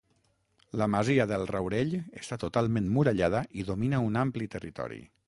La Masia del Raurell està totalment murallada i domina un ampli territori.